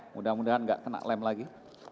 mudah mudahan nggak kena lem lagi